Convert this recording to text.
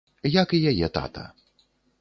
Як і яе тата.